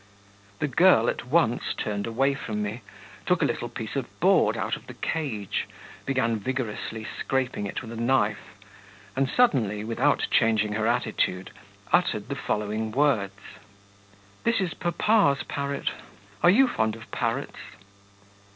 The girl at once turned away from me, took a little piece of board out of the cage, began vigorously scraping it with a knife, and suddenly, without changing her attitude, uttered the following words: 'This is papa's parrot.... Are you fond of parrots?'